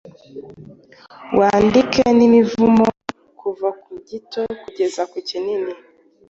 Wandike n'imivumo kuva ku giti kugeza ku giti,